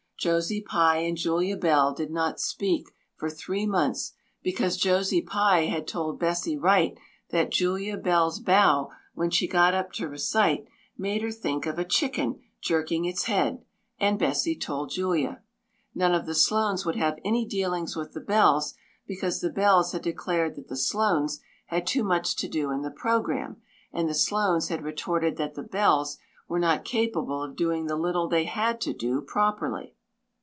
Josie Pye and Julia Bell did not "speak" for three months, because Josie Pye had told Bessie Wright that Julia Bell's bow when she got up to recite made her think of a chicken jerking its head, and Bessie told Julia. None of the Sloanes would have any dealings with the Bells, because the Bells had declared that the Sloanes had too much to do in the program, and the Sloanes had retorted that the Bells were not capable of doing the little they had to do properly.